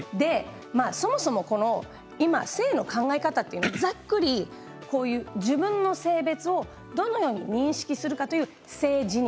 そもそも今、性の考え方ざっくり自分の性別をどのように認識するかという性自認